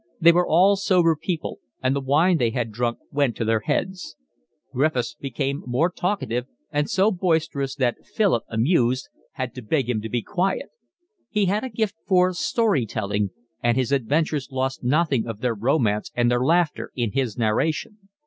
They were all sober people, and the wine they had drunk went to their heads. Griffiths became more talkative and so boisterous that Philip, amused, had to beg him to be quiet. He had a gift for story telling, and his adventures lost nothing of their romance and their laughter in his narration.